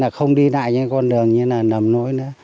không đi lại con đường nằm nỗi